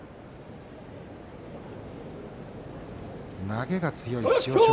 投げが強い千代翔